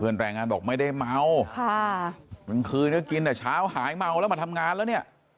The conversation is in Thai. แรงงานบอกไม่ได้เมาค่ะบางคืนก็กินแต่เช้าหายเมาแล้วมาทำงานแล้วเนี่ย